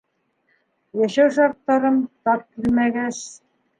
Йәшәү шарттарым тап килмәгәс.